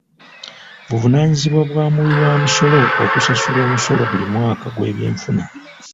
Buvunaanyizibwa bwa muwiwamusolo okusasula omusolo buli mwaka gw'ebyenfuna.